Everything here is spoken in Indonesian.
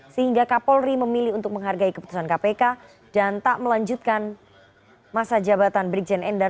sehingga kapolri memilih untuk menghargai keputusan kpk dan tak melanjutkan masa jabatan brigjen endar